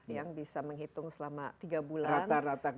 yang bisa menghitung selama tiga bulan